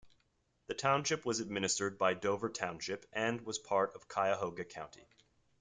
The township was administered by Dover township and was part of Cuyahoga County.